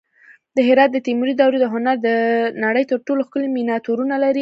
د هرات د تیموري دورې هنر د نړۍ تر ټولو ښکلي مینیاتورونه لري